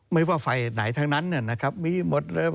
ไม่ว่าฝ่ายไหนทั้งนั้นมีหมดเลย